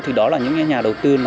thì đó là những nhà đầu tư